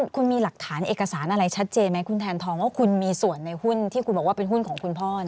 คุณมีหลักฐานเอกสารอะไรชัดเจนไหมคุณแทนทองว่าคุณมีส่วนในหุ้นที่คุณบอกว่าเป็นหุ้นของคุณพ่อ